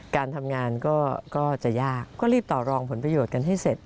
การทำงานก็จะยากก็รีบต่อรองผลประโยชน์กันให้เสร็จ